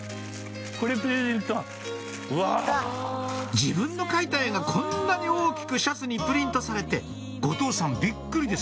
自分の描いた絵がこんなに大きくシャツにプリントされて後藤さんびっくりです